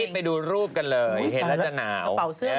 ไปดูรูปกันเลยเห็นแล้วจะหนาวเสื้อ